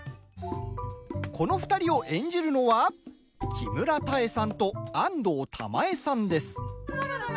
この２人を演じるのは木村多江さんと安藤玉恵さんです。